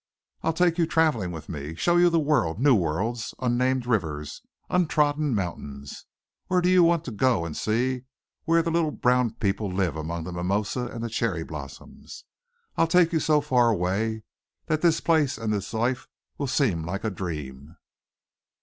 "I'll take you travelling with me, show you the world, new worlds, unnamed rivers, untrodden mountains. Or do you want to go and see where the little brown people live among the mimosa and the cherry blossoms? I'll take you so far away that this place and this life will seem like a dream."